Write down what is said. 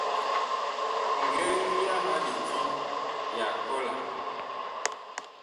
Ngɛŋ yaha lidi ya kɔlan.